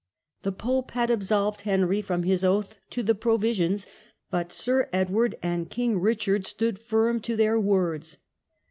The pope had absolved Henry from his oath to the Provisions, but Sir Edward and King Richard stood firm to their words.